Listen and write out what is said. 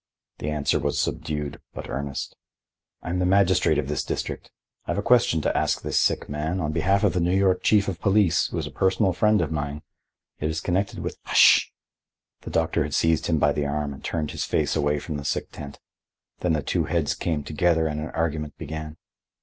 The answer was subdued, but earnest. "I'm the magistrate of this district. I've a question to ask this sick man, on behalf of the New York Chief of Police, who is a personal friend of mine. It is connected with—" "Hush!" The doctor had seized him by the arm and turned his face away from the sick tent. Then the two heads came together and an argument began.